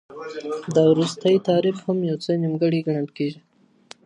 دا وروستی تعریف هم یو څه نیمګړی ګڼل کیږي.